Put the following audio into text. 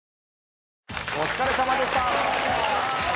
お疲れさまでした。